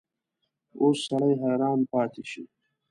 اوس سړی حیران پاتې شي.